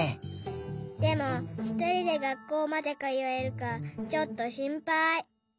でもひとりでがっこうまでかよえるかちょっとしんぱい。